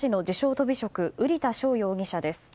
とび職瓜田翔容疑者です。